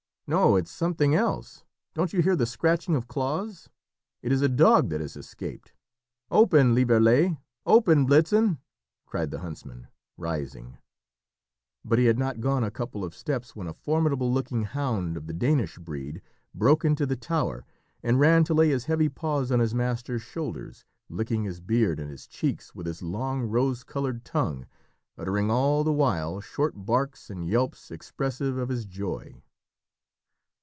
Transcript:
"No, it is something else. Don't you hear the scratching of claws? It is a dog that has escaped. Open, Lieverlé, open, Blitzen!" cried the huntsman, rising; but he had not gone a couple of steps when a formidable looking hound of the Danish breed broke into the tower, and ran to lay his heavy paws on his master's shoulders, licking his beard and his cheeks with his long rose coloured tongue, uttering all the while short barks and yelps expressive of his joy.